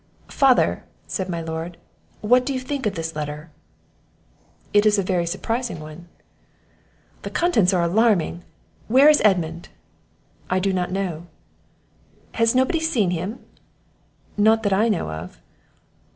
"Father," said my lord, "what think you of this letter?" "It is a very surprising one." "The contents are alarming. Where is Edmund?" "I do not know." "Has nobody seen him?" "Not that I know of."